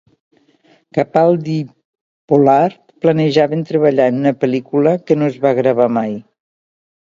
Capaldi i Pollard planejaven treballar en una pel·lícula que no es va gravar mai.